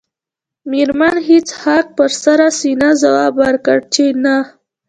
میرمن هیج هاګ په سړه سینه ځواب ورکړ چې نه